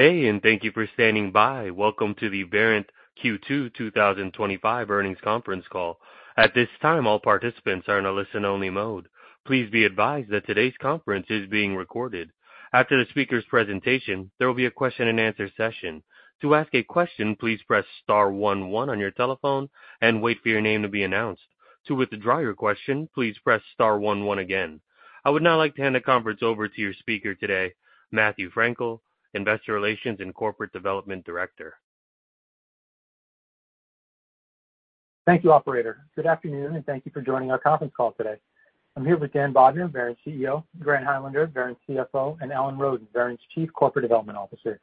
Hey, and thank you for standing by. Welcome to the Verint Q2 2025 Earnings Conference Call. At this time, all participants are in a listen-only mode. Please be advised that today's conference is being recorded. After the speaker's presentation, there will be a question-and-answer session. To ask a question, please press star one one on your telephone and wait for your name to be announced. To withdraw your question, please press star one one again. I would now like to hand the conference over to your speaker today, Matthew Frankel, Investor Relations and Corporate Development Director. Thank you, operator. Good afternoon, and thank you for joining our conference call today. I'm here with Dan Bodner, Verint's CEO, Grant Highlander, Verint's CFO, and Alan Rodgers, Verint's Chief Corporate Development Officer.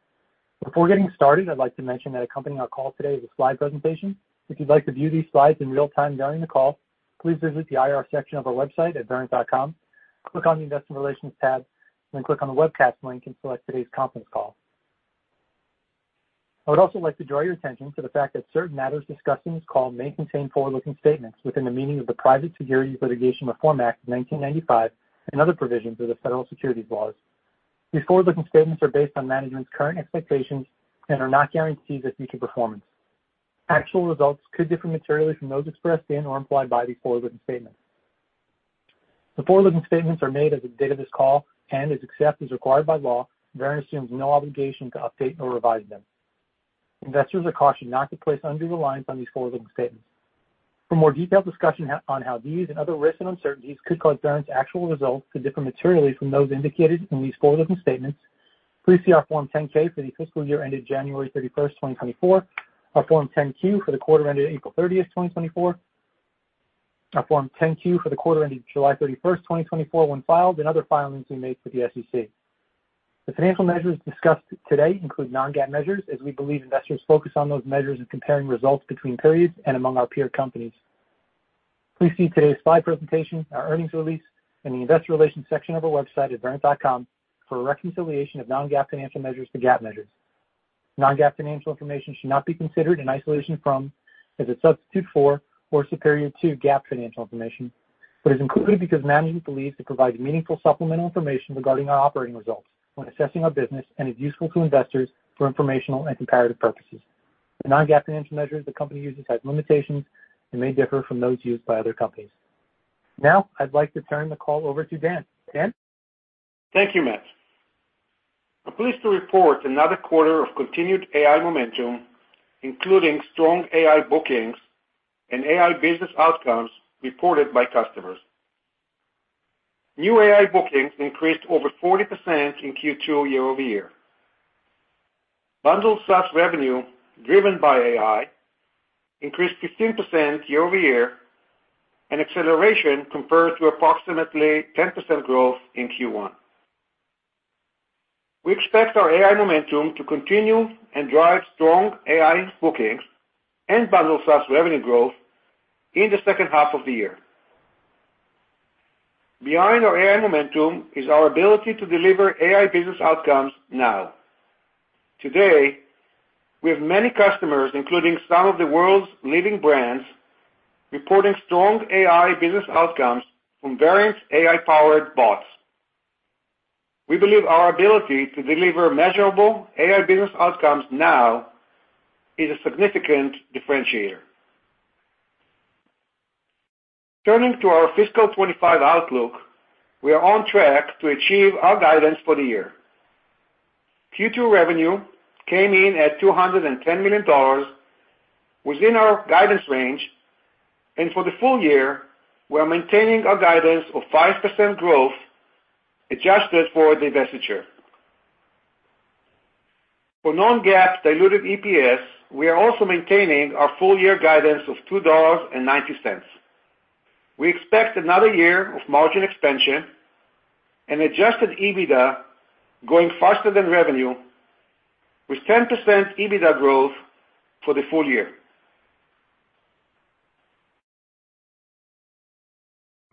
Before getting started, I'd like to mention that accompanying our call today is a slide presentation. If you'd like to view these slides in real time during the call, please visit the IR section of our website at verint.com. Click on the Investor Relations tab, then click on the Webcast link and select today's conference call. I would also like to draw your attention to the fact that certain matters discussed in this call may contain forward-looking statements within the meaning of the Private Securities Litigation Reform Act of 1995 and other provisions of the federal securities laws. These forward-looking statements are based on management's current expectations and are not guarantees of future performance. Actual results could differ materially from those expressed in or implied by these forward-looking statements. The forward-looking statements are made as of the date of this call and, except as required by law, Verint assumes no obligation to update or revise them. Investors are cautioned not to place undue reliance on these forward-looking statements. For more detailed discussion on how these and other risks and uncertainties could cause Verint's actual results to differ materially from those indicated in these forward-looking statements, please see our Form 10-K for the fiscal year ended January 31st, 2024, our Form 10-Q for the quarter ended April 30th, 2024, our Form 10-Q for the quarter ended July 31st, 2024, when filed, and other filings we made with the SEC. The financial measures discussed today include Non-GAAP measures, as we believe investors focus on those measures in comparing results between periods and among our peer companies. Please see today's slide presentation, our earnings release, in the investor relations section of our website at verint.com for a reconciliation of Non-GAAP financial measures to GAAP measures. Non-GAAP financial information should not be considered in isolation from, as a substitute for, or superior to GAAP financial information, but is included because management believes it provides meaningful supplemental information regarding our operating results when assessing our business and is useful to investors for informational and comparative purposes. The Non-GAAP financial measures the company uses have limitations and may differ from those used by other companies. Now, I'd like to turn the call over to Dan. Dan? Thank you, Matt. I'm pleased to report another quarter of continued AI momentum, including strong AI bookings and AI business outcomes reported by customers. New AI bookings increased over 40% in Q2 year over year. Bundled SaaS revenue, driven by AI, increased 15% year over year, an acceleration compared to approximately 10% growth in Q1. We expect our AI momentum to continue and drive strong AI bookings and bundled SaaS revenue growth in the second half of the year. Behind our AI momentum is our ability to deliver AI business outcomes now. Today, we have many customers, including some of the world's leading brands, reporting strong AI business outcomes from Verint's AI-powered bots. We believe our ability to deliver measurable AI business outcomes now is a significant differentiator. Turning to our fiscal 2025 outlook, we are on track to achieve our guidance for the year. Q2 revenue came in at $210 million, within our guidance range, and for the full year, we are maintaining our guidance of 5% growth, adjusted for divestiture. For non-GAAP diluted EPS, we are also maintaining our full-year guidance of $2.90. We expect another year of margin expansion and adjusted EBITDA growing faster than revenue, with 10% EBITDA growth for the full year.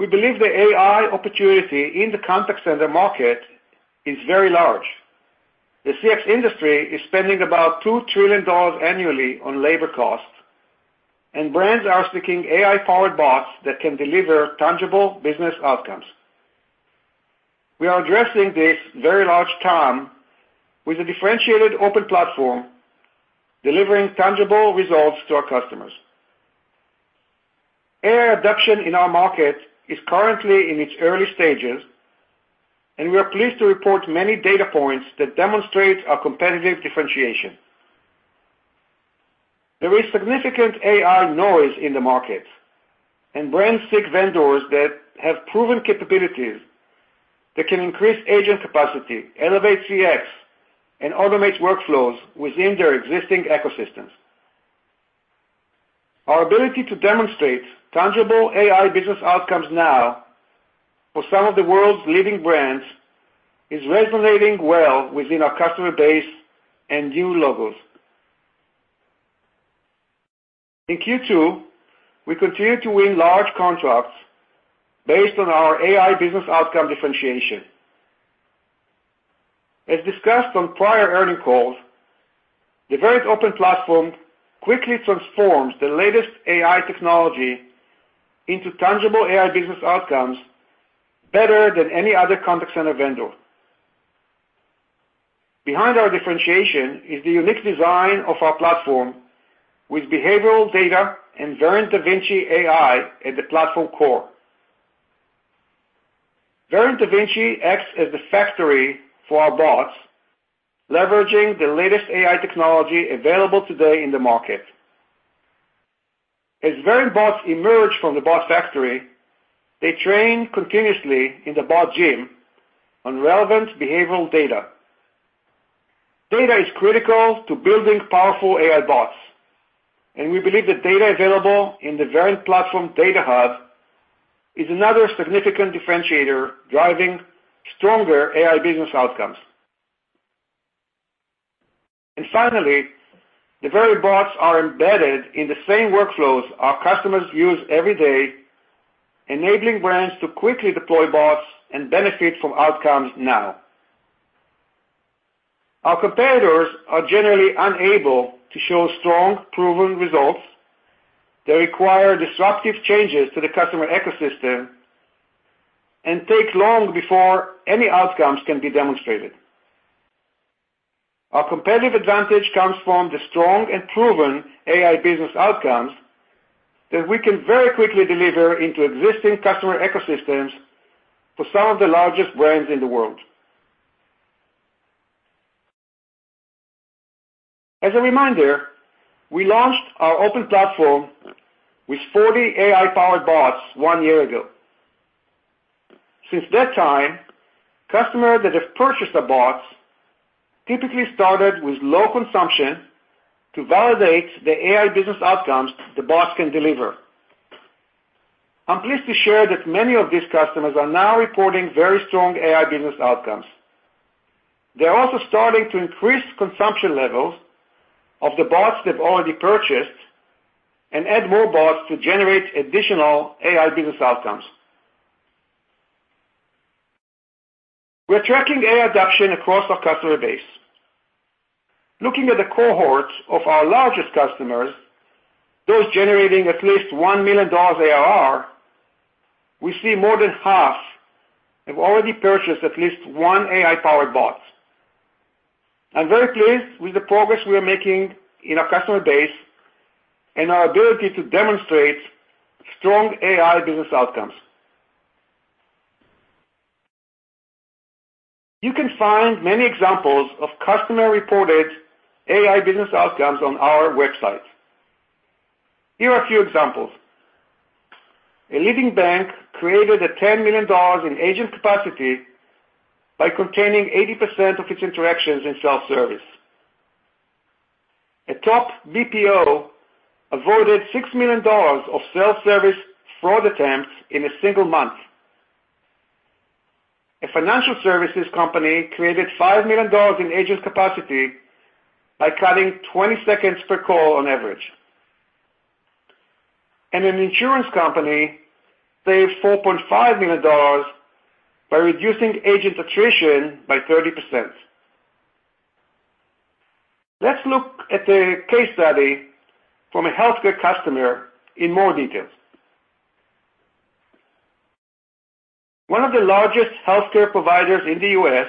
We believe the AI opportunity in the contact center market is very large. The CX industry is spending about $2 trillion annually on labor costs, and brands are seeking AI-powered bots that can deliver tangible business outcomes. We are addressing this very large TAM with a differentiated open platform, delivering tangible results to our customers. AI adoption in our market is currently in its early stages, and we are pleased to report many data points that demonstrate our competitive differentiation. There is significant AI noise in the market, and brands seek vendors that have proven capabilities that can increase agent capacity, elevate CX, and automate workflows within their existing ecosystems. Our ability to demonstrate tangible AI business outcomes now for some of the world's leading brands is resonating well within our customer base and new logos. In Q2, we continued to win large contracts based on our AI business outcome differentiation. As discussed on prior earnings calls... The Verint Open Platform quickly transforms the latest AI technology into tangible AI business outcomes better than any other contact center vendor. Behind our differentiation is the unique design of our platform, with behavioral data and Verint Da Vinci AI at the platform core. Verint Da Vinci acts as the factory for our bots, leveraging the latest AI technology available today in the market. As Verint bots emerge from the Bot Factory, they train continuously in the Bot Gym on relevant behavioral data. Data is critical to building powerful AI bots, and we believe the data available in the Verint Platform Data Hub is another significant differentiator, driving stronger AI business outcomes. And finally, the Verint bots are embedded in the same workflows our customers use every day, enabling brands to quickly deploy bots and benefit from outcomes now. Our competitors are generally unable to show strong, proven results. They require disruptive changes to the customer ecosystem and take long before any outcomes can be demonstrated. Our competitive advantage comes from the strong and proven AI business outcomes that we can very quickly deliver into existing customer ecosystems for some of the largest brands in the world. As a reminder, we launched our open platform with 40 AI-powered bots one year ago. Since that time, customers that have purchased the bots typically started with low consumption to validate the AI business outcomes the bots can deliver. I'm pleased to share that many of these customers are now reporting very strong AI business outcomes. They are also starting to increase consumption levels of the bots they've already purchased and add more bots to generate additional AI business outcomes. We're tracking AI adoption across our customer base. Looking at the cohorts of our largest customers, those generating at least $1 million ARR, we see more than half have already purchased at least one AI-powered bot. I'm very pleased with the progress we are making in our customer base and our ability to demonstrate strong AI business outcomes. You can find many examples of customer-reported AI business outcomes on our website. Here are a few examples: A leading bank created $10 million in agent capacity by containing 80% of its interactions in self-service. A top BPO avoided $6 million of self-service fraud attempts in a single month. A financial services company created $5 million in agent capacity by cutting 20 seconds per call on average. And an insurance company saved $4.5 million by reducing agent attrition by 30%. Let's look at a case study from a healthcare customer in more details. One of the largest healthcare providers in the U.S.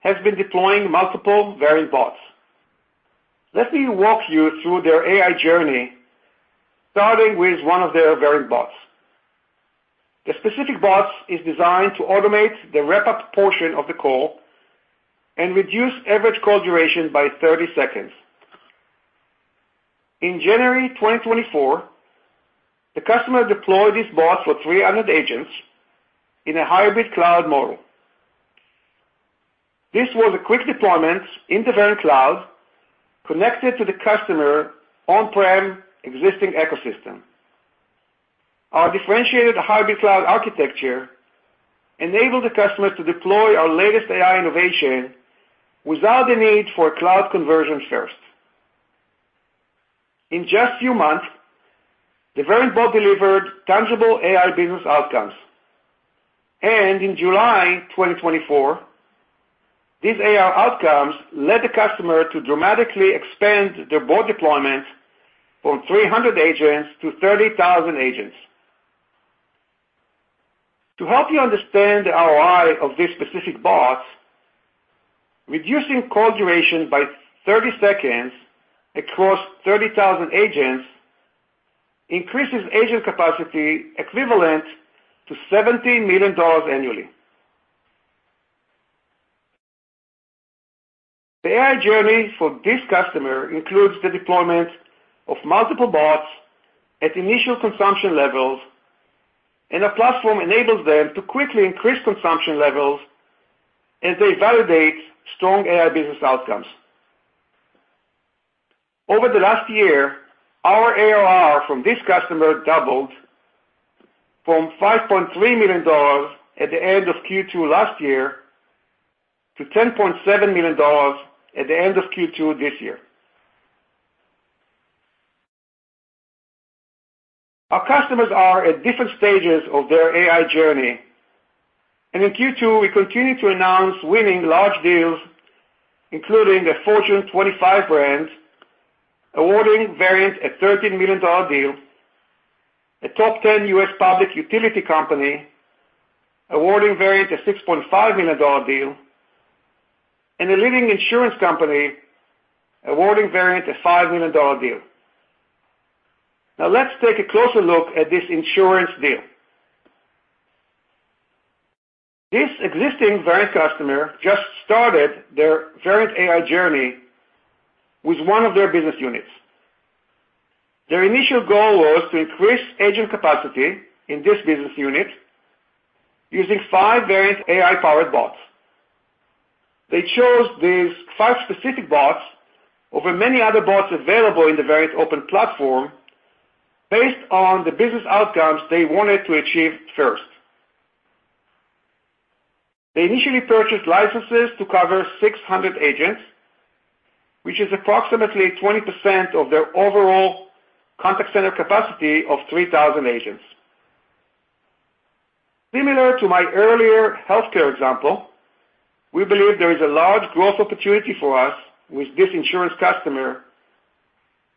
has been deploying multiple Verint bots. Let me walk you through their AI journey, starting with one of their Verint bots. The specific bot is designed to automate the wrap-up portion of the call and reduce average call duration by 30 seconds. In January 2024, the customer deployed this bot for 300 agents in a hybrid cloud model. This was a quick deployment in the Verint Cloud, connected to the customer on-prem existing ecosystem. Our differentiated hybrid cloud architecture enabled the customer to deploy our latest AI innovation without the need for cloud conversion first. In just few months, the Verint bot delivered tangible AI business outcomes, and in July 2024, these AI outcomes led the customer to dramatically expand their bot deployment from 300 agents to 30,000 agents. To help you understand the ROI of this specific bot, reducing call duration by 30 seconds across 30,000 agents increases agent capacity equivalent to $70 million annually. The AI journey for this customer includes the deployment of multiple bots at initial consumption levels, and our platform enables them to quickly increase consumption levels as they validate strong AI business outcomes. Over the last year, our ARR from this customer doubled from $5.3 million at the end of Q2 last year, to $10.7 million at the end of Q2 this year. Our customers are at different stages of their AI journey, and in Q2, we continued to announce winning large deals, including a Fortune 25 brand, awarding Verint a $13 million deal, a top 10 U.S. public utility company, awarding Verint a $6.5 million deal, and a leading insurance company awarding Verint a $5 million deal. Now, let's take a closer look at this insurance deal. This existing Verint customer just started their Verint AI journey with one of their business units. Their initial goal was to increase agent capacity in this business unit using five Verint AI-powered bots. They chose these five specific bots over many other bots available in the Verint Open Platform based on the business outcomes they wanted to achieve first. They initially purchased licenses to cover 600 agents, which is approximately 20% of their overall contact center capacity of 3,000 agents. Similar to my earlier healthcare example, we believe there is a large growth opportunity for us with this insurance customer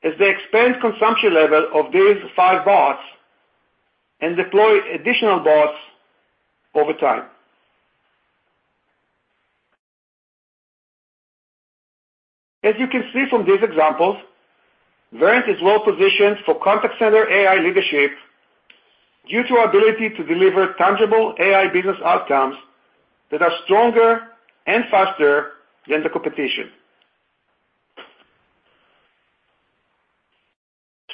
as they expand consumption level of these 5 bots and deploy additional bots over time. As you can see from these examples, Verint is well-positioned for contact center AI leadership due to our ability to deliver tangible AI business outcomes that are stronger and faster than the competition.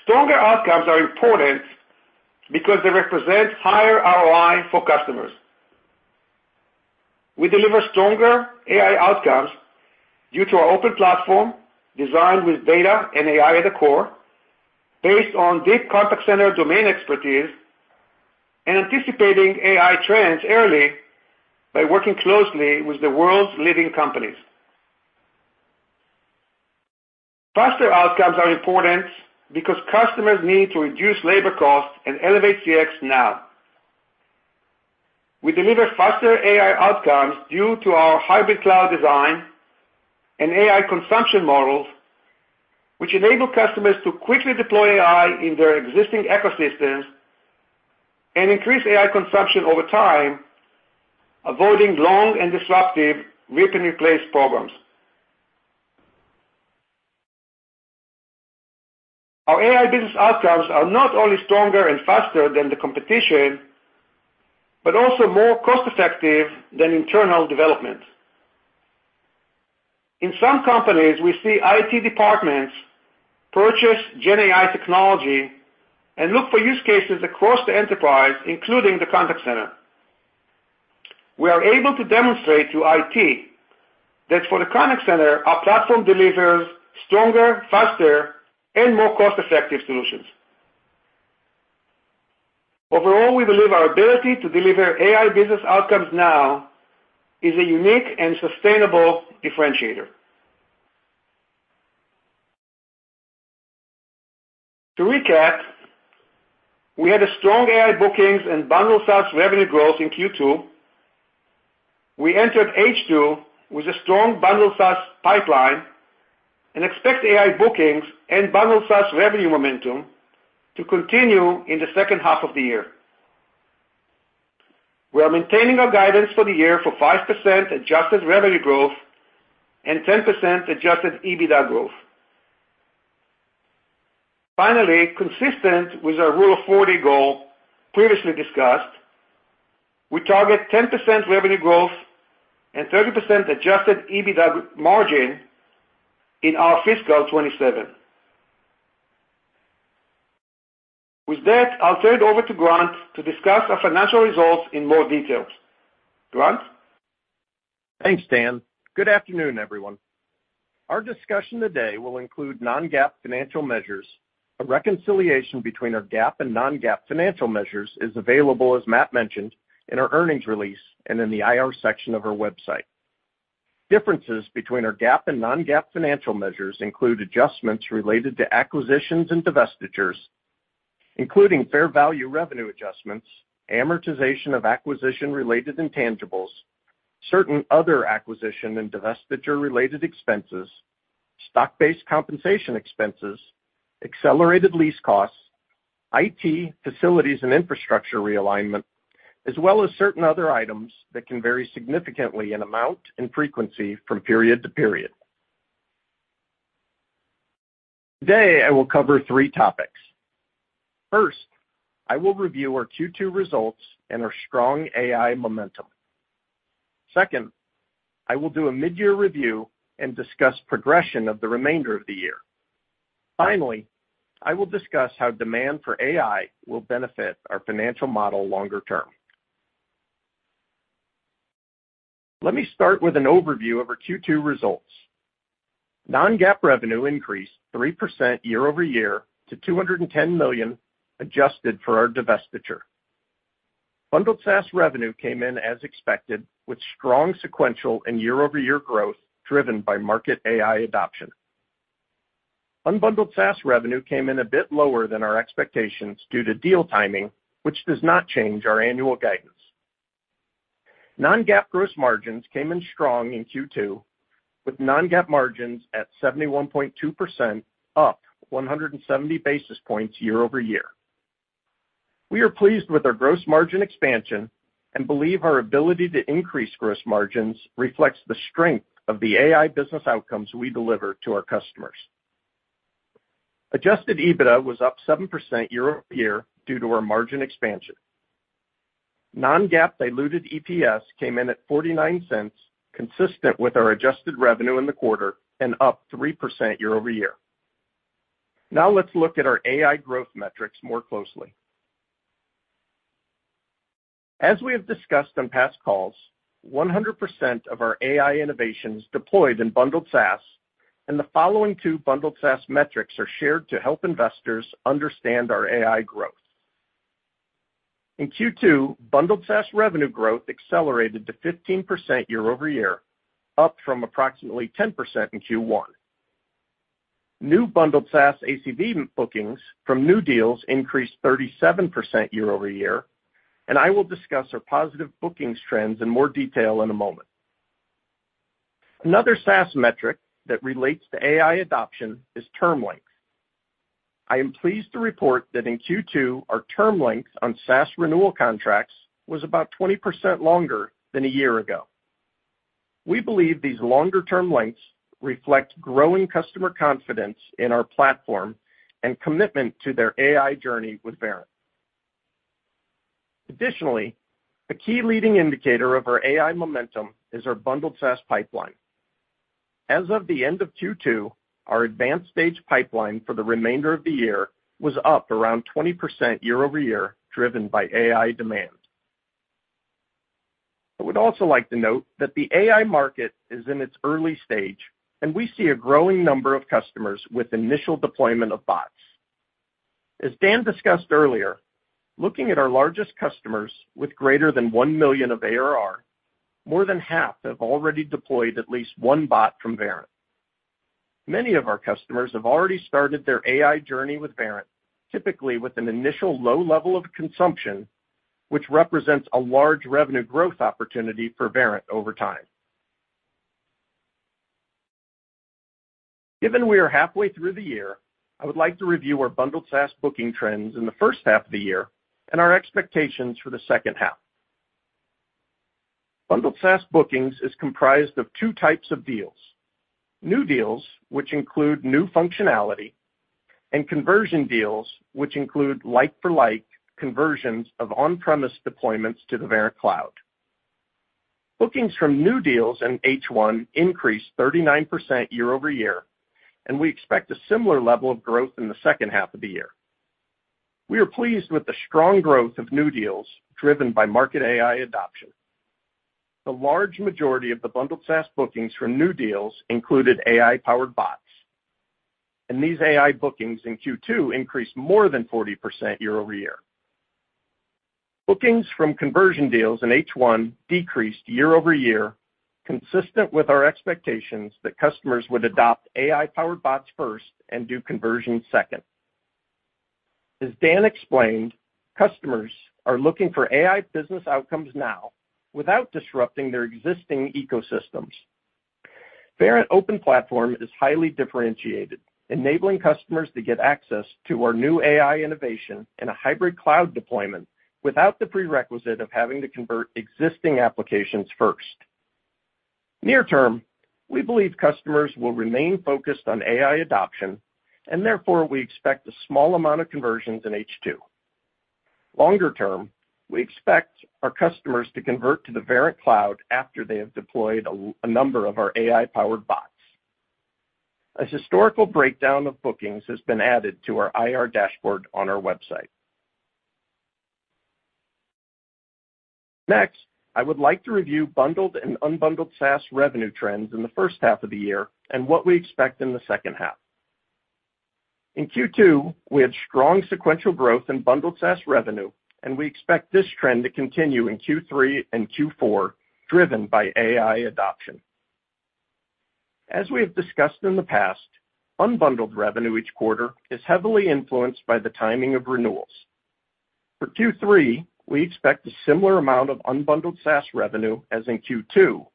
Stronger outcomes are important because they represent higher ROI for customers. We deliver stronger AI outcomes due to our open platform designed with data and AI at the core, based on deep contact center domain expertise, and anticipating AI trends early by working closely with the world's leading companies. Faster outcomes are important because customers need to reduce labor costs and elevate CX now. We deliver faster AI outcomes due to our hybrid cloud design and AI consumption models, which enable customers to quickly deploy AI in their existing ecosystems and increase AI consumption over time, avoiding long and disruptive rip-and-replace programs. Our AI business outcomes are not only stronger and faster than the competition, but also more cost-effective than internal development. In some companies, we see IT departments purchase GenAI technology and look for use cases across the enterprise, including the contact center. We are able to demonstrate to IT that for the contact center, our platform delivers stronger, faster, and more cost-effective solutions. Overall, we believe our ability to deliver AI business outcomes now is a unique and sustainable differentiator. To recap, we had a strong AI bookings and bundled SaaS revenue growth in Q2. We entered H2 with a strong bundled SaaS pipeline and expect AI bookings and bundled SaaS revenue momentum to continue in the second half of the year. We are maintaining our guidance for the year for 5% adjusted revenue growth and 10% Adjusted EBITDA growth. Finally, consistent with our Rule of 40 goal previously discussed, we target 10% revenue growth and 30% Adjusted EBITDA margin in our fiscal 2027. With that, I'll turn it over to Grant to discuss our financial results in more details. Grant? Thanks, Dan. Good afternoon, everyone. Our discussion today will include non-GAAP financial measures. A reconciliation between our GAAP and non-GAAP financial measures is available, as Matt mentioned, in our earnings release and in the IR section of our website. Differences between our GAAP and non-GAAP financial measures include adjustments related to acquisitions and divestitures, including fair value revenue adjustments, amortization of acquisition-related intangibles, certain other acquisition and divestiture-related expenses, stock-based compensation expenses, accelerated lease costs, IT, facilities, and infrastructure realignment, as well as certain other items that can vary significantly in amount and frequency from period to period. Today, I will cover three topics. First, I will review our Q2 results and our strong AI momentum. Second, I will do a mid-year review and discuss progression of the remainder of the year. Finally, I will discuss how demand for AI will benefit our financial model longer term. Let me start with an overview of our Q2 results. Non-GAAP revenue increased 3% year over year to $210 million, adjusted for our divestiture. Bundled SaaS revenue came in as expected, with strong sequential and year-over-year growth, driven by market AI adoption. Unbundled SaaS revenue came in a bit lower than our expectations due to deal timing, which does not change our annual guidance. Non-GAAP gross margins came in strong in Q2, with non-GAAP margins at 71.2%, up 170 basis points year over year. We are pleased with our gross margin expansion and believe our ability to increase gross margins reflects the strength of the AI business outcomes we deliver to our customers. Adjusted EBITDA was up 7% year over year due to our margin expansion. Non-GAAP diluted EPS came in at $0.49, consistent with our adjusted revenue in the quarter, and up 3% year over year. Now let's look at our AI growth metrics more closely. As we have discussed on past calls, 100% of our AI innovations deployed in bundled SaaS, and the following two bundled SaaS metrics are shared to help investors understand our AI growth. In Q2, bundled SaaS revenue growth accelerated to 15% year over year, up from approximately 10% in Q1. New bundled SaaS ACV bookings from new deals increased 37% year over year, and I will discuss our positive bookings trends in more detail in a moment. Another SaaS metric that relates to AI adoption is term length. I am pleased to report that in Q2, our term length on SaaS renewal contracts was about 20% longer than a year ago. We believe these longer-term lengths reflect growing customer confidence in our platform and commitment to their AI journey with Verint. Additionally, a key leading indicator of our AI momentum is our bundled SaaS pipeline. As of the end of Q2, our advanced stage pipeline for the remainder of the year was up around 20% year over year, driven by AI demand. I would also like to note that the AI market is in its early stage, and we see a growing number of customers with initial deployment of bots. As Dan discussed earlier, looking at our largest customers with greater than 1 million of ARR, more than half have already deployed at least one bot from Verint. Many of our customers have already started their AI journey with Verint, typically with an initial low level of consumption, which represents a large revenue growth opportunity for Verint over time. Given we are halfway through the year, I would like to review our bundled SaaS booking trends in the first half of the year and our expectations for the second half. Bundled SaaS bookings is comprised of two types of deals: new deals, which include new functionality, and conversion deals, which include like-for-like conversions of on-premises deployments to the Verint Cloud. Bookings from new deals in H1 increased 39% year over year, and we expect a similar level of growth in the second half of the year. We are pleased with the strong growth of new deals driven by market AI adoption. The large majority of the bundled SaaS bookings from new deals included AI-powered bots, and these AI bookings in Q2 increased more than 40% year over year. Bookings from conversion deals in H1 decreased year over year, consistent with our expectations that customers would adopt AI-powered bots first and do conversion second. As Dan explained, customers are looking for AI business outcomes now without disrupting their existing ecosystems. Verint Open Platform is highly differentiated, enabling customers to get access to our new AI innovation in a hybrid cloud deployment without the prerequisite of having to convert existing applications first. Near term, we believe customers will remain focused on AI adoption, and therefore, we expect a small amount of conversions in H2. Longer term, we expect our customers to convert to the Verint Cloud after they have deployed a number of our AI-powered bots. This historical breakdown of bookings has been added to our IR dashboard on our website. Next, I would like to review bundled and unbundled SaaS revenue trends in the first half of the year and what we expect in the second half. In Q2, we had strong sequential growth in bundled SaaS revenue, and we expect this trend to continue in Q3 and Q4, driven by AI adoption. As we have discussed in the past, unbundled revenue each quarter is heavily influenced by the timing of renewals. For Q3, we expect a similar amount of unbundled SaaS revenue as in Q2,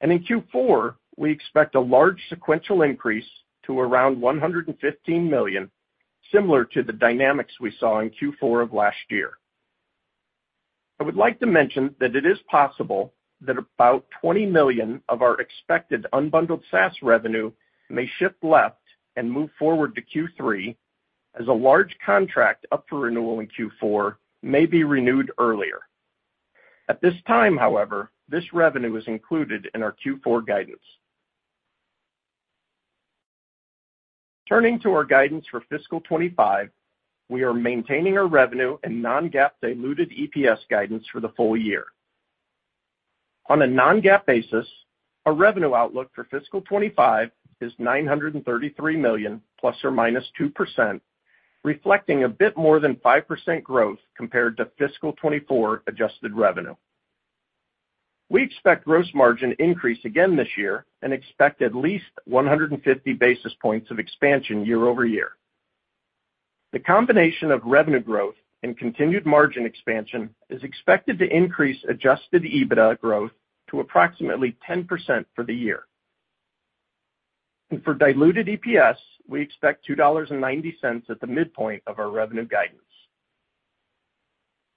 and in Q4, we expect a large sequential increase to around $115 million, similar to the dynamics we saw in Q4 of last year. I would like to mention that it is possible that about $20 million of our expected unbundled SaaS revenue may shift left and move forward to Q3, as a large contract up for renewal in Q4 may be renewed earlier. At this time, however, this revenue is included in our Q4 guidance. Turning to our guidance for fiscal 2025, we are maintaining our revenue and non-GAAP diluted EPS guidance for the full year. On a non-GAAP basis, our revenue outlook for fiscal 2025 is $933 million, ±2%, reflecting a bit more than 5% growth compared to fiscal 2024 adjusted revenue. We expect gross margin increase again this year and expect at least 150 basis points of expansion year over year. The combination of revenue growth and continued margin expansion is expected to increase Adjusted EBITDA growth to approximately 10% for the year. For diluted EPS, we expect $2.90 at the midpoint of our revenue guidance.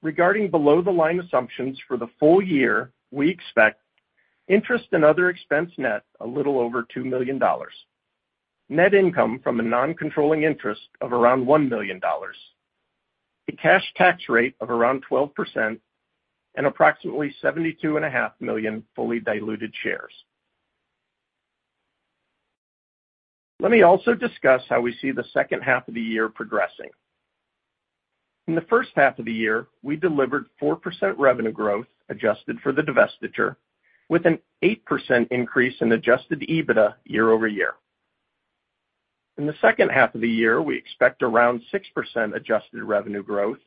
Regarding below-the-line assumptions for the full year, we expect interest and other expense net a little over $2 million, net income from a non-controlling interest of around $1 million, a cash tax rate of around 12%, and approximately 72.5 million fully diluted shares. Let me also discuss how we see the second half of the year progressing. In the first half of the year, we delivered 4% revenue growth, adjusted for the divestiture, with an 8% increase in Adjusted EBITDA year over year. In the second half of the year, we expect around 6% adjusted revenue growth,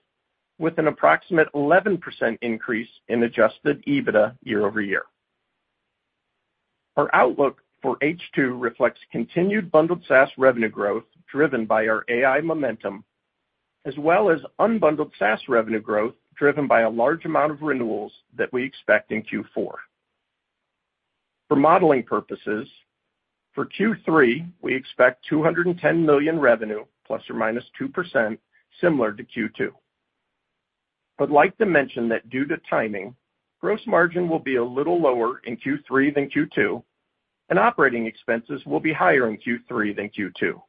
with an approximate 11% increase in adjusted EBITDA year over year. Our outlook for H2 reflects continued bundled SaaS revenue growth, driven by our AI momentum, as well as unbundled SaaS revenue growth, driven by a large amount of renewals that we expect in Q4. For modeling purposes, for Q3, we expect $210 million revenue, ±2%, similar to Q2. I'd like to mention that due to timing, gross margin will be a little lower in Q3 than Q2, and operating expenses will be higher in Q3 than Q2,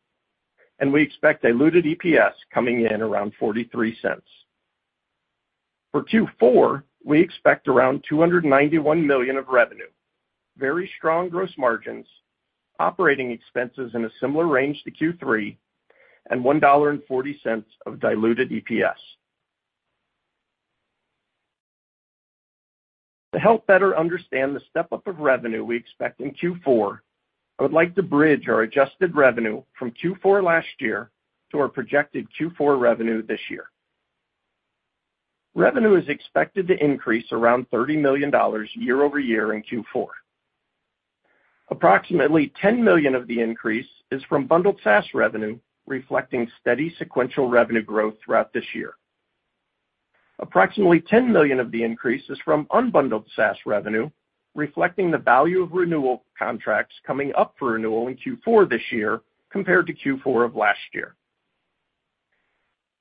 and we expect diluted EPS coming in around $0.43. For Q4, we expect around $291 million of revenue, very strong gross margins, operating expenses in a similar range to Q3, and $1.40 of diluted EPS. To help better understand the step-up of revenue we expect in Q4, I would like to bridge our adjusted revenue from Q4 last year to our projected Q4 revenue this year. Revenue is expected to increase around $30 million year over year in Q4. Approximately $10 million of the increase is from bundled SaaS revenue, reflecting steady sequential revenue growth throughout this year. Approximately $10 million of the increase is from unbundled SaaS revenue, reflecting the value of renewal contracts coming up for renewal in Q4 this year compared to Q4 of last year.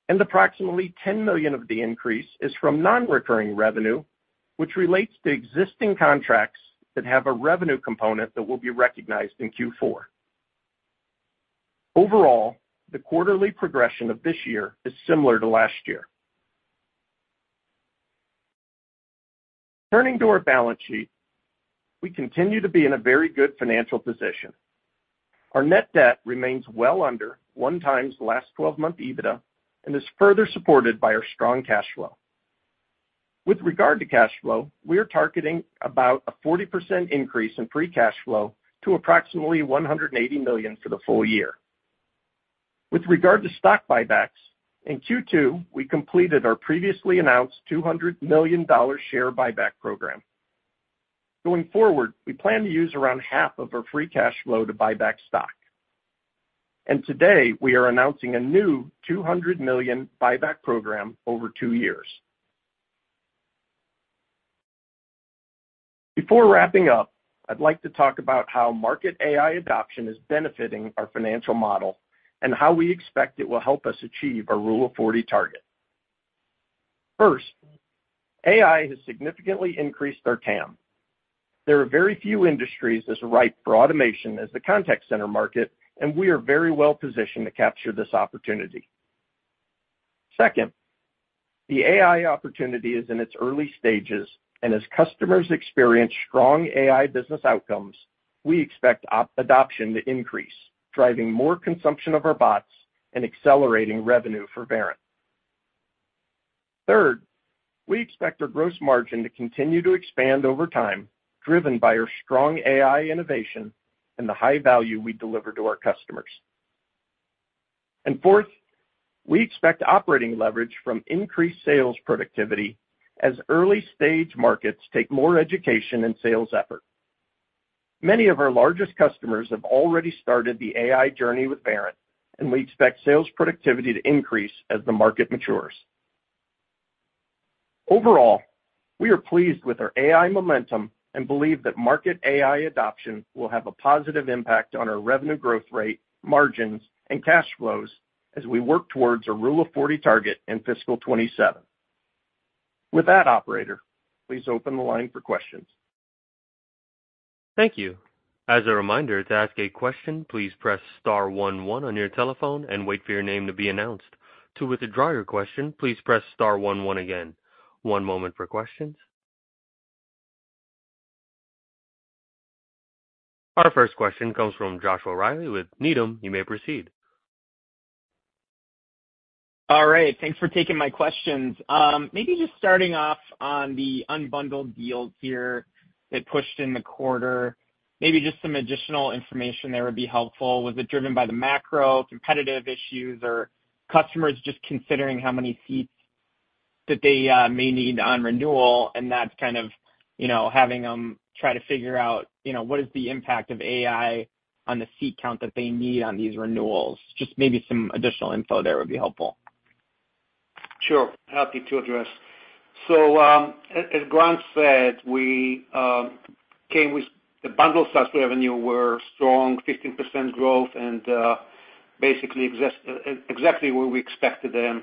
And approximately $10 million of the increase is from non-recurring revenue, which relates to existing contracts that have a revenue component that will be recognized in Q4. Overall, the quarterly progression of this year is similar to last year. Turning to our balance sheet, we continue to be in a very good financial position. Our net debt remains well under one times the last 12-month EBITDA, and is further supported by our strong cash flow. With regard to cash flow, we are targeting about a 40% increase in free cash flow to approximately $180 million for the full year. With regard to stock buybacks, in Q2, we completed our previously announced $200 million share buyback program. Going forward, we plan to use around half of our free cash flow to buy back stock. And today, we are announcing a new $200 million buyback program over two years. Before wrapping up, I'd like to talk about how market AI adoption is benefiting our financial model and how we expect it will help us achieve our Rule of 40 target. First, AI has significantly increased our TAM. There are very few industries as ripe for automation as the contact center market, and we are very well positioned to capture this opportunity. Second, the AI opportunity is in its early stages, and as customers experience strong AI business outcomes, we expect adoption to increase, driving more consumption of our bots and accelerating revenue for Verint. Third, we expect our gross margin to continue to expand over time, driven by our strong AI innovation and the high value we deliver to our customers. And fourth, we expect operating leverage from increased sales productivity as early-stage markets take more education and sales effort. Many of our largest customers have already started the AI journey with Verint, and we expect sales productivity to increase as the market matures. Overall, we are pleased with our AI momentum and believe that market AI adoption will have a positive impact on our revenue growth rate, margins, and cash flows as we work towards a Rule of 40 target in fiscal 2027. With that, operator, please open the line for questions. Thank you. As a reminder, to ask a question, please press star one one on your telephone and wait for your name to be announced. To withdraw your question, please press star one one again. One moment for questions. Our first question comes from Joshua Reilly with Needham. You may proceed. All right, thanks for taking my questions. Maybe just starting off on the unbundled deals here that pushed in the quarter, maybe just some additional information there would be helpful. Was it driven by the macro competitive issues or customers just considering how many seats that they may need on renewal, and that's kind of, you know, having them try to figure out, you know, what is the impact of AI on the seat count that they need on these renewals? Just maybe some additional info there would be helpful. Sure, happy to address. So, as Grant said, we came with the bundled SaaS revenue were strong, 15% growth and, basically exactly where we expected them.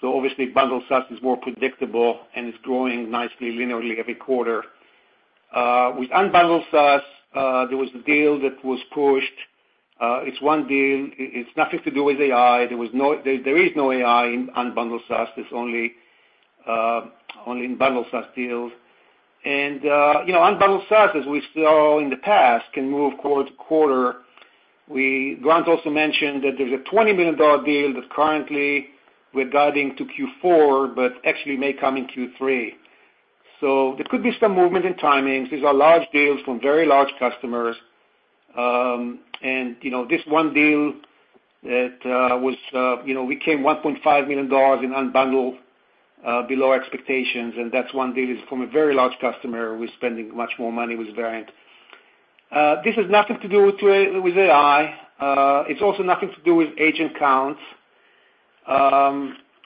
So obviously, bundled SaaS is more predictable, and it's growing nicely, linearly every quarter. With unbundled SaaS, there was a deal that was pushed. It's one deal. It's nothing to do with AI. There is no AI in unbundled SaaS. It's only only in bundled SaaS deals. And, you know, unbundled SaaS, as we saw in the past, can move quarter to quarter. We Grant also mentioned that there's a $20 million deal that's currently regarding to Q4, but actually may come in Q3. So there could be some movement in timings. These are large deals from very large customers. And you know, this one deal that was, you know, we came $1.5 million in unbundled below expectations, and that one deal is from a very large customer who is spending much more money with Verint. This has nothing to do with AI. It's also nothing to do with agent counts.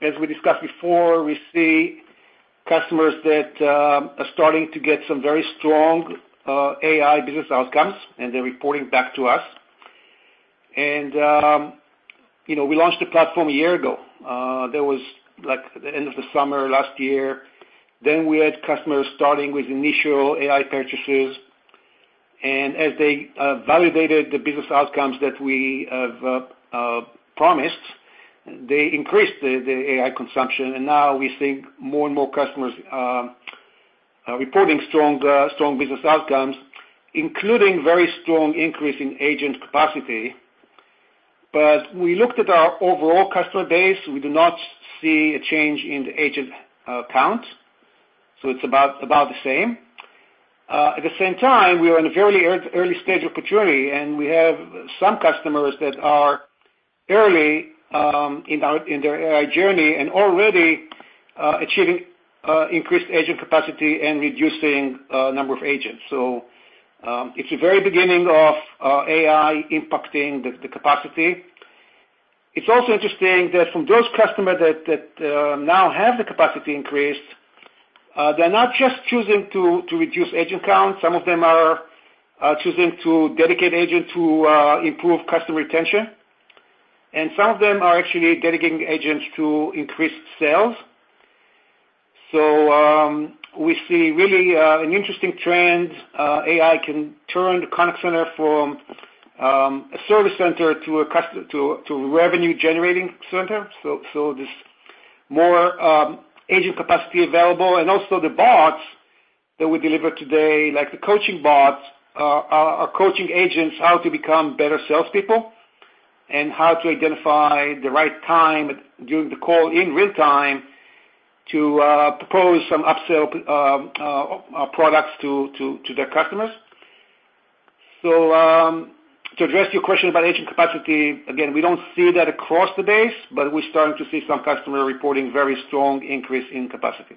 As we discussed before, we see customers that are starting to get some very strong AI business outcomes, and they're reporting back to us. And you know, we launched the platform a year ago. That was like the end of the summer last year. Then we had customers starting with initial AI purchases, and as they validated the business outcomes that we have promised, they increased the AI consumption, and now we see more and more customers reporting strong strong business outcomes, including very strong increase in agent capacity. But we looked at our overall customer base, we do not see a change in the agent count, so it's about about the same. At the same time, we are in a very early stage of maturity, and we have some customers that are early in their AI journey and already achieving increased agent capacity and reducing number of agents. So it's the very beginning of AI impacting the capacity. It's also interesting that from those customers that that now have the capacity increased, they're not just choosing to to reduce agent count. Some of them are choosing to dedicate agent to improve customer retention, and some of them are actually dedicating agents to increase sales. So, we see really an interesting trend. AI can turn the contact center from a service center to a revenue generating center, so so there's more agent capacity available. And also the bots that we deliver today, like the coaching bots, are coaching agents how to become better salespeople and how to identify the right time during the call in real time to propose some upsell products to to their customers. To to address your question about agent capacity, again, we don't see that across the base, but we're starting to see some customer reporting very strong increase in capacity.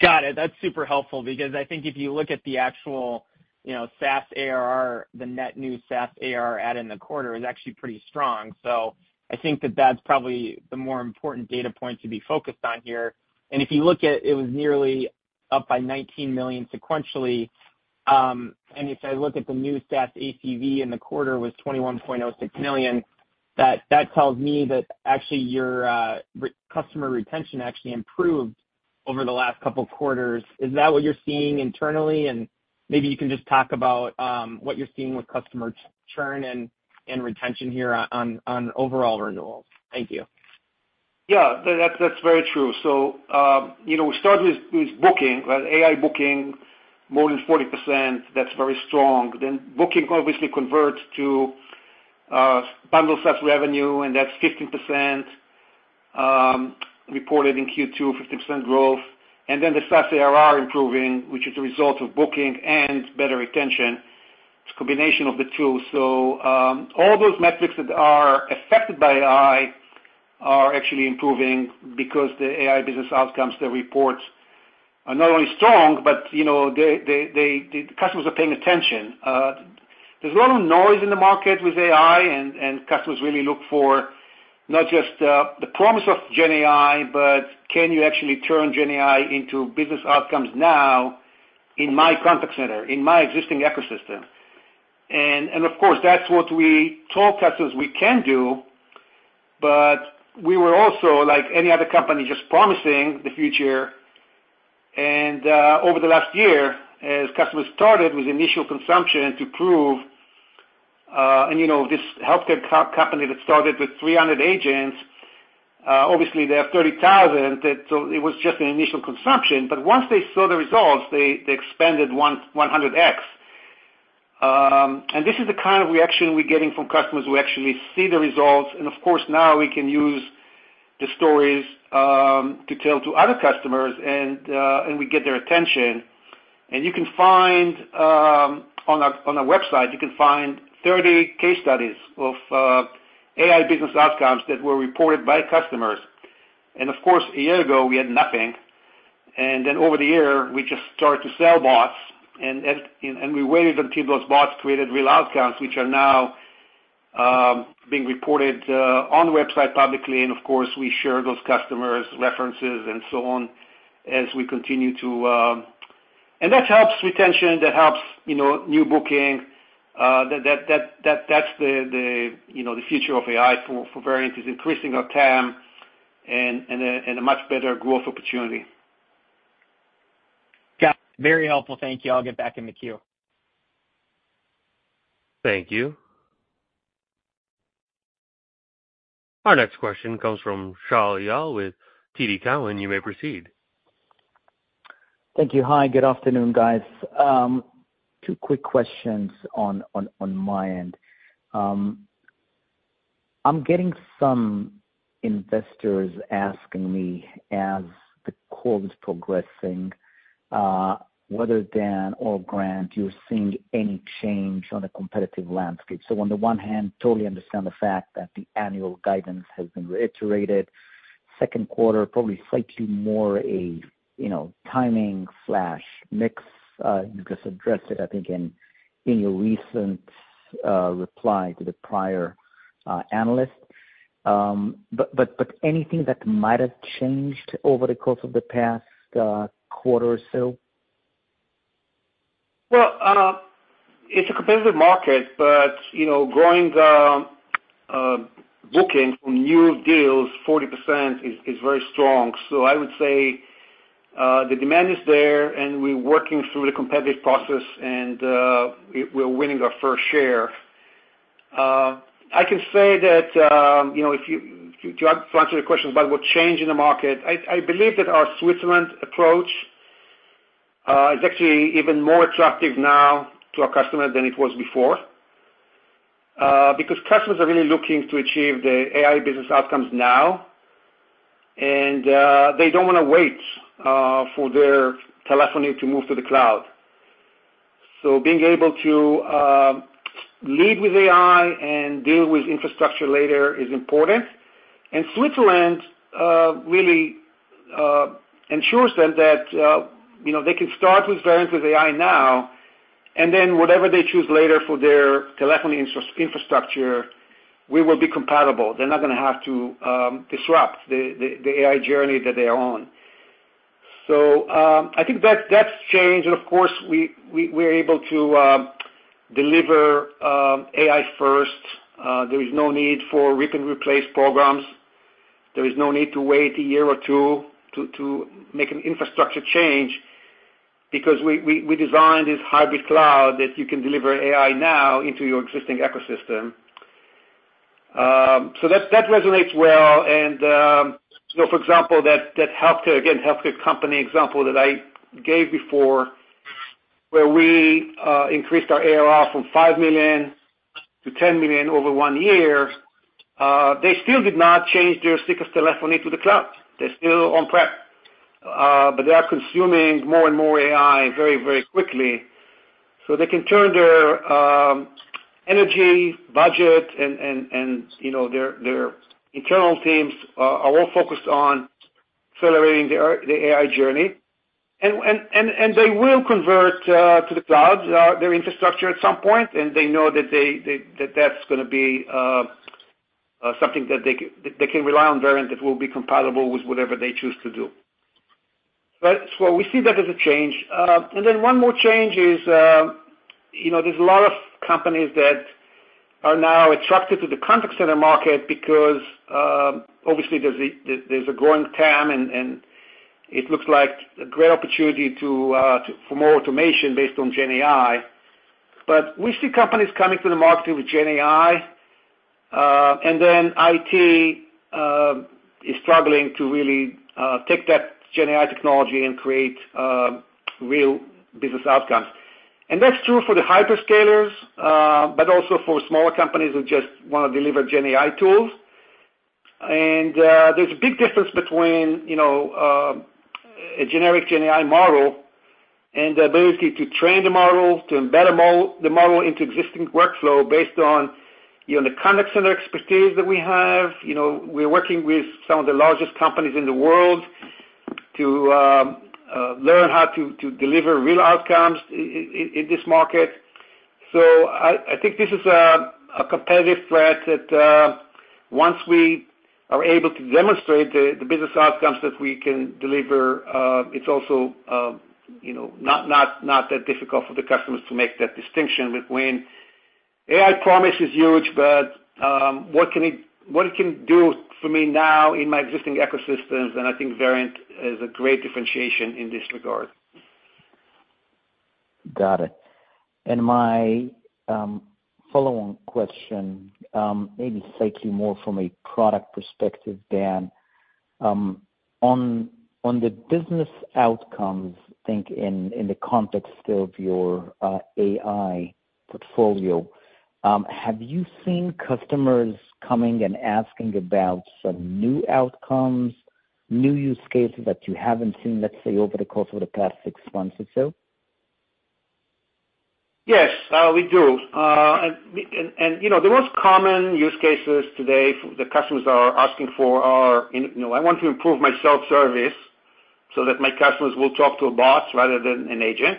Got it. That's super helpful because I think if you look at the actual, you know, SaaS ARR, the net new SaaS ARR add in the quarter is actually pretty strong. So I think that that's probably the more important data point to be focused on here. And if you look at it, it was nearly up by 19 million sequentially, and if I look at the new SaaS ACV in the quarter was 21.06 million, that that tells me that actually your customer retention actually improved over the last couple of quarters. Is that what you're seeing internally? And maybe you can just talk about what you're seeing with customer churn and retention here on on overall renewals. Thank you. Yeah, that's, that's very true. So, you know, we start with booking, right? AI booking, more than 40%, that's very strong. Then booking obviously converts to bundled SaaS revenue, and that's 15% reported in Q2, 15% growth. And then the SaaS ARR improving, which is a result of booking and better retention. It's a combination of the two. So, all those metrics that are affected by AI are actually improving because the AI business outcomes, the reports are not only strong, but, you know, the the customers are paying attention. There's a lot of noise in the market with AI and and customers really look for not just the promise of GenAI, but can you actually turn GenAI into business outcomes now in my contact center, in my existing ecosystem? And of course, that's what we told customers we can do, but we were also, like any other company, just promising the future. And over the last year, as customers started with initial consumption to prove, and, you know, this healthcare company that started with 300 agents, obviously they have 30,000, that so it was just an initial consumption. But once they saw the results, they expanded 100X. This is the kind of reaction we're getting from customers who actually see the results, and of course, now we can use the stories to tell to other customers, and we get their attention. You can find on our on our website 30 case studies of AI business outcomes that were reported by customers. And of course, a year ago we had nothing, and then over the year, we just started to sell bots, and we waited until those bots created real outcomes, which are now being reported on the website publicly. And of course, we share those customers' references and so on, as we continue to. And that helps retention, that helps, you know, new booking, that that that's the, you know, the future of AI for Verint, is increasing our TAM and and a much better growth opportunity. Got it. Very helpful. Thank you. I'll get back in the queue. Thank you. Our next question comes from Shaul Eyal with TD Cowen. You may proceed. Thank you. Hi, good afternoon, guys. Two quick questions on on my end. I'm getting some investors asking me, as the quarter's progressing, whether Dan or Grant, you're seeing any change on the competitive landscape. So on the one hand, totally understand the fact that the annual guidance has been reiterated. Second quarter, probably slightly more, you know, timing/mix, you just addressed it, I think, in your recent reply to the prior analyst, but but anything that might have changed over the course of the past quarter or so? Well, it's a competitive market, but you know, growing the booking from new deals 40% is very strong. So I would say the demand is there, and we're working through the competitive process, and we're winning our fair share. I can say that you know, to answer your question about what changed in the market, I believe that our Switzerland approach is actually even more attractive now to our customers than it was before, because customers are really looking to achieve the AI business outcomes now, and they don't wanna wait for their telephony to move to the cloud. So being able to lead with AI and deal with infrastructure later is important. And Switzerland really ensures them that, you know, they can start with Verint with AI now, and then whatever they choose later for their telephony infrastructure, we will be compatible. They're not gonna have to disrupt the the AI journey that they are on. So, I think that's changed, and of course, we we we're able to deliver AI first. There is no need for rip-and-replace programs. There is no need to wait a year or two to make an infrastructure change because we we designed this hybrid cloud that you can deliver AI now into your existing ecosystem. So that resonates well, and so for example, that healthcare, again, healthcare company example that I gave before, where we increased our ARR from $5 million-$10 million over one year, they still did not change their biggest telephony to the cloud. They're still on-prem, but they are consuming more and more AI very, very quickly. So they can turn their energy, budget, and and, you know, their their internal teams are all focused on accelerating their AI journey. And and they will convert to the cloud their infrastructure at some point, and they know they they that that's gonna be something that they can rely on Verint, that will be compatible with whatever they choose to do. But so we see that as a change. And then one more change is, you know, there's a lot of companies that are now attracted to the contact center market because, obviously, there's a growing TAM and and it looks like a great opportunity to to for more automation based on GenAI. But we see companies coming to the market with GenAI and then IT is struggling to really take that GenAI technology and create real business outcomes. And that's true for the hyperscalers but also for smaller companies who just wanna deliver GenAI tools. And there's a big difference between, you know, a generic GenAI model and the ability to train the model, to embed the model into existing workflow based on, you know, the contact center expertise that we have. You know, we're working with some of the largest companies in the world to learn how to deliver real outcomes in this market. So I think this is a competitive threat that once we are able to demonstrate the business outcomes that we can deliver, it's also, you know, not that difficult for the customers to make that distinction between AI promise is huge, but what it can do for me now in my existing ecosystems, and I think Verint is a great differentiation in this regard. Got it. And my follow-on question, maybe slightly more from a product perspective, Dan. On on the business outcomes, I think in the context of your AI portfolio, have you seen customers coming and asking about some new outcomes, new use cases that you haven't seen, let's say, over the course of the past six months or so? Yes, we do. And, and you know, the most common use cases today the customers are asking for are, you know, I want to improve my self-service so that my customers will talk to a bot rather than an agent,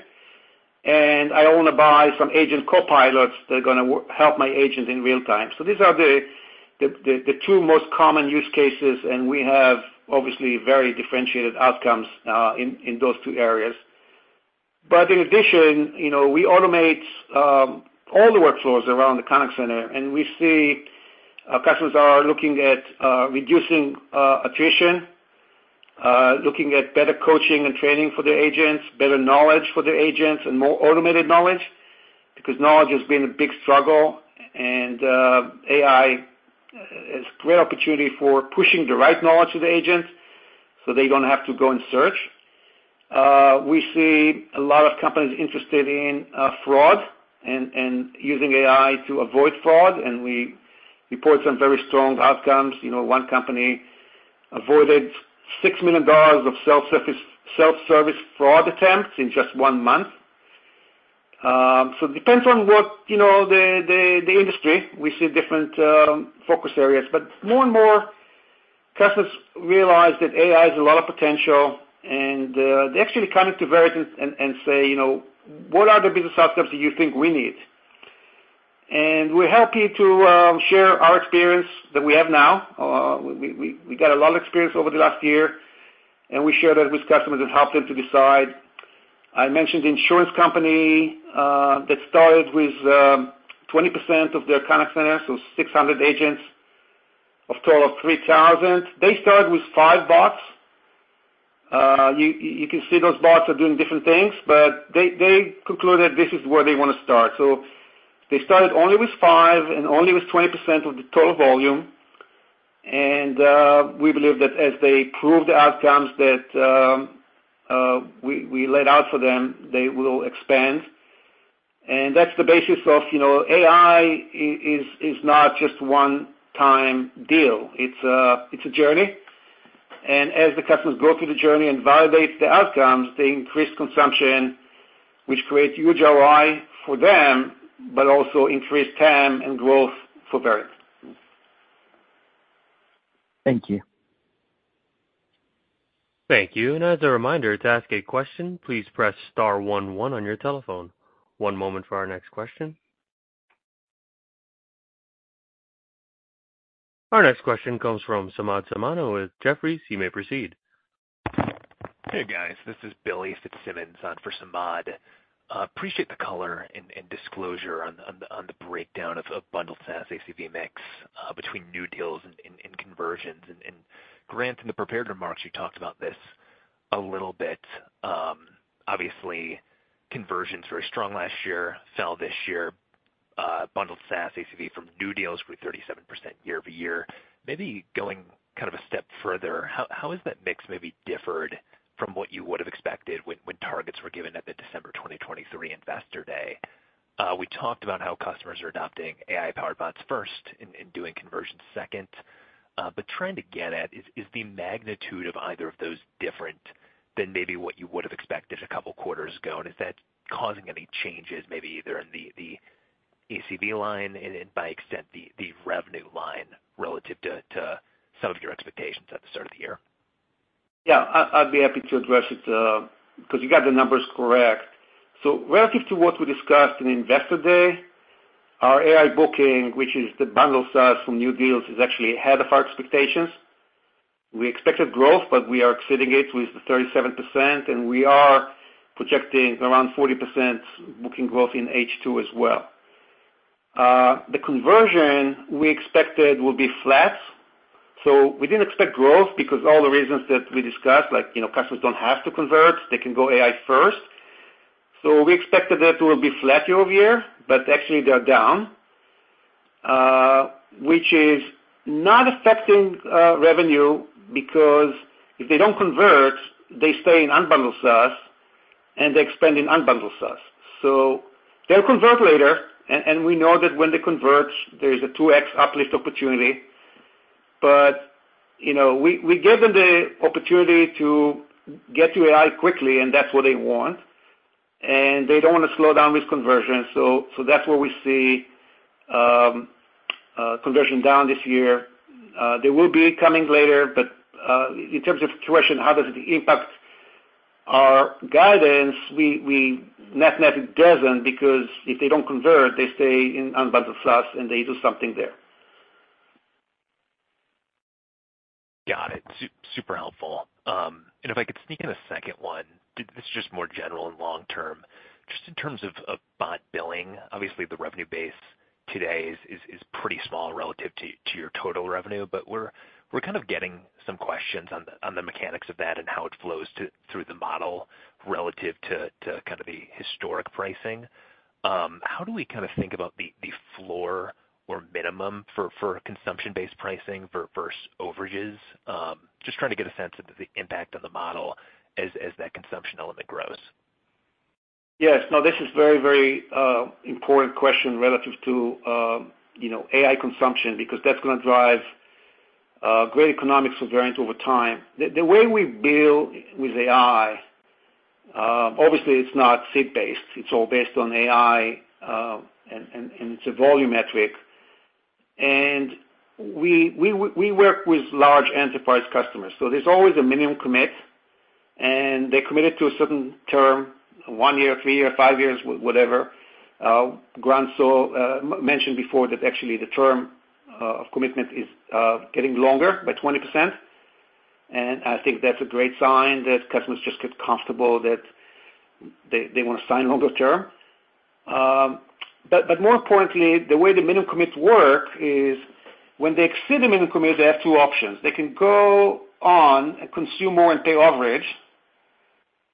and I want to buy some agent copilots that are gonna help my agent in real time. So these are the two most common use cases, and we have obviously very differentiated outcomes in those two areas. But in addition, you know, we automate all the workflows around the contact center, and we see our customers are looking at reducing attrition, looking at better coaching and training for their agents, better knowledge for their agents, and more automated knowledge, because knowledge has been a big struggle, and AI is a great opportunity for pushing the right knowledge to the agents so they don't have to go and search. We see a lot of companies interested in fraud and and using AI to avoid fraud, and we report some very strong outcomes. You know, one company avoided $6 million of self-service self-service fraud attempts in just one month. So it depends on what, you know, the the the industry, we see different focus areas. But more and more customers realize that AI has a lot of potential, and they actually come into Verint and say, "You know, what are the business outcomes that you think we need?" And we're happy to share our experience that we have now. We we got a lot of experience over the last year, and we share that with customers and help them to decide. I mentioned the insurance company that started with 20% of their contact center, so 600 agents, a total of 3,000. They started with 5 bots. You can see those bots are doing different things, but they they concluded this is where they want to start. So they started only with five and only with 20% of the total volume, and we believe that as they prove the outcomes that we laid out for them, they will expand. And that's the basis of, you know, AI is not just one-time deal. It's a journey. And as the customers go through the journey and validate the outcomes, they increase consumption, which creates huge ROI for them, but also increased TAM and growth for Verint. Thank you. Thank you. And as a reminder, to ask a question, please press star one one on your telephone. One moment for our next question. Our next question comes from Samad Samana with Jefferies. You may proceed. Hey, guys, this is Billy Fitzsimmons on for Samad. Appreciate the color and disclosure on the breakdown of bundled SaaS ACV mix between new deals and conversions. And Grant, in the prepared remarks, you talked about this a little bit. Obviously, conversion's very strong last year, fell this year, bundled SaaS ACV from new deals grew 37% year over year. Maybe going kind of a step further, how has that mix maybe differed from what you would have expected when targets were given at the December 2023 Investor Day? We talked about how customers are adopting AI-powered bots first and doing conversion second, but trying to get at is the magnitude of either of those different than maybe what you would have expected a couple quarters ago? Is that causing any changes, maybe either in the ACV line and then, by extension, the revenue line relative to to some of your expectations at the start of the year? Yeah, I'd be happy to address it, because you got the numbers correct. So relative to what we discussed in Investor Day, our AI booking, which is the bundled SaaS from new deals, is actually ahead of our expectations. We expected growth, but we are exceeding it with the 37%, and we are projecting around 40% booking growth in H2 as well. The conversion we expected will be flat, so we didn't expect growth because all the reasons that we discussed, like, you know, customers don't have to convert, they can go AI first. So we expected that it will be flat year over year, but actually they are down, which is not affecting revenue, because if they don't convert, they stay in unbundled SaaS, and they expand in unbundled SaaS. So they'll convert later, and we know that when they convert, there is a 2x uplift opportunity. But, you know, we we give them the opportunity to get to AI quickly, and that's what they want, and they don't want to slow down this conversion, so that's where we see conversion down this year. They will be coming later, but in terms of the question, how does it impact our guidance, we we net, it doesn't, because if they don't convert, they stay in unbundled SaaS, and they do something there. Got it. Super helpful. And if I could sneak in a second one, this is just more general and long term. Just in terms of bot billing, obviously the revenue base today is pretty small relative to your total revenue, but we're we're kind of getting some questions on the mechanics of that and how it flows through the model relative to kind of the historic pricing. How do we kind of think about the floor or minimum for consumption-based pricing versus overages? Just trying to get a sense of the impact on the model as that consumption element grows. Yes. No, this is very, very important question relative to, you know, AI consumption, because that's gonna drive great economics for Verint over time. The the way we build with AI, obviously, it's not seat-based. It's all based on AI, and and it's a volume metric, and we we work with large enterprise customers, so there's always a minimum commit, and they're committed to a certain term, one year, three year, five years, whatever. Grant so mentioned before that actually the term of commitment is getting longer by 20%, and I think that's a great sign that customers just get comfortable that they they wanna sign longer term. But more importantly, the way the minimum commits work is when they exceed the minimum commit, they have two options: They can go on and consume more and pay overage,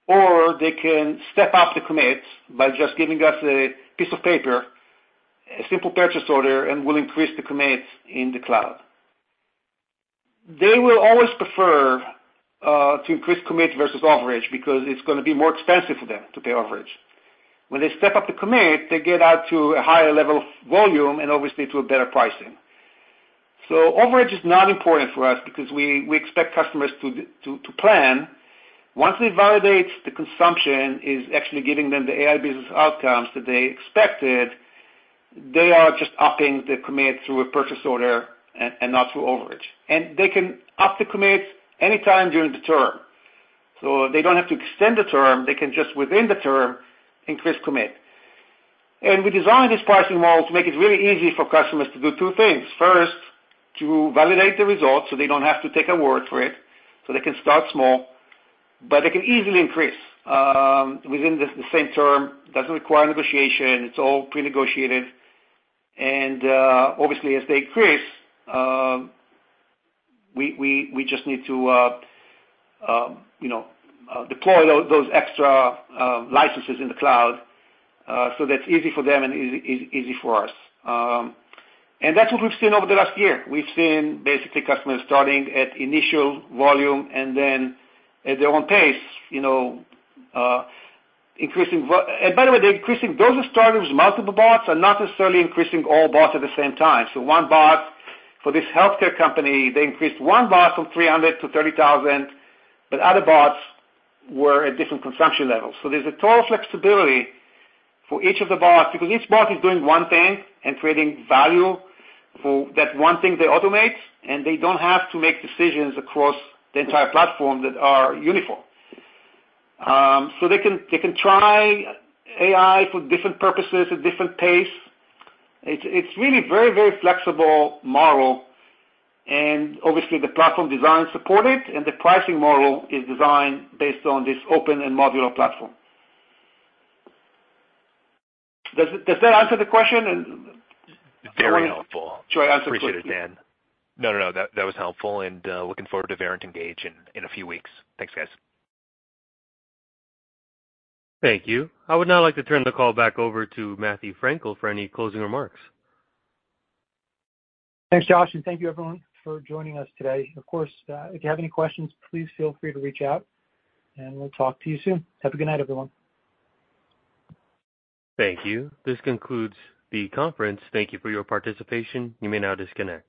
or they can step up the commits by just giving us a piece of paper, a simple purchase order, and we'll increase the commits in the cloud. They will always prefer to increase commits versus overage, because it's gonna be more expensive for them to pay overage. When they step up the commit, they get out to a higher level of volume and obviously to a better pricing. Overage is not important for us because we we expect customers to plan. Once we validate the consumption is actually giving them the AI business outcomes that they expected, they are just upping the commit through a purchase order and not through overage. They can up the commits anytime during the term so they don't have to extend the term. They can just within the term increase commit. And we designed this pricing model to make it really easy for customers to do two things. First, to validate the results, so they don't have to take our word for it, so they can start small, but they can easily increase within the same term. It doesn't require negotiation. It's all pre-negotiated. And obviously, as they increase, we we just need to, you know, deploy those those extra licenses in the cloud, so that's easy for them and easy for us. And that's what we've seen over the last year. We've seen basically customers starting at initial volume and then, at their own pace, you know, increasing volume. And by the way, they're increasing, those who started with multiple bots are not necessarily increasing all bots at the same time, so one bot for this healthcare company, they increased one bot from 300 to 30,000, but other bots were at different consumption levels, so there's a total flexibility for each of the bots, because each bot is doing one thing and creating value for that one thing they automate, and they don't have to make decisions across the entire platform that are uniform, so they can, they can try AI for different purposes at different pace. It's, it's really very, very flexible model, and obviously, the platform design support it, and the pricing model is designed based on this open and modular platform. Does that answer the question? And- Very helpful. Should I answer- Appreciate it, Dan. No, no, no, that was helpful, and looking forward to Verint Engage in a few weeks. Thanks, guys. Thank you. I would now like to turn the call back over to Matthew Frankel for any closing remarks. Thanks, Josh, and thank you everyone for joining us today. Of course, if you have any questions, please feel free to reach out, and we'll talk to you soon. Have a good night, everyone. Thank you. This concludes the conference. Thank you for your participation. You may now disconnect.